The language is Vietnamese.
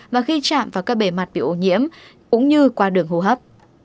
và khi chạm vào các bề mặt bị ô nhiễm cũng như qua đường hô hấp